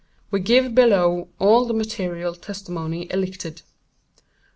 We give below all the material testimony elicited.